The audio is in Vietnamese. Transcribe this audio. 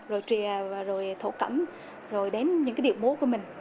rồi trìa rồi thổ cẩm rồi đến những cái điệu múa của mình